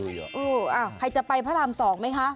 ใครจะไปพระราม๒ไหมคะ